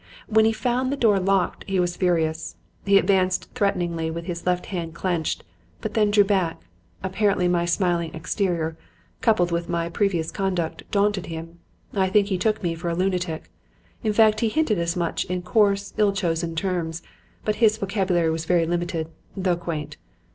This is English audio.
When he found the door locked he was furious. He advanced threateningly with his left hand clenched, but then drew back. Apparently, my smiling exterior, coupled with my previous conduct, daunted him. I think he took me for a lunatic; in fact, he hinted as much in coarse, ill chosen terms. But his vocabulary was very limited, though quaint.